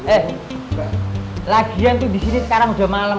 eh lagian tuh disini sekarang udah malem